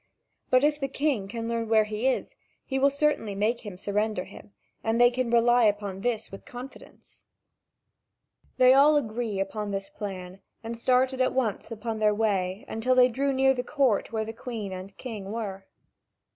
But if the king can learn where he is, he will certainly make him surrender him: they can rely upon this with confidence. (Vv. 5199 5256.) They all agreed upon this plan, and started at once upon their way until they drew near the court where the Queen and king were.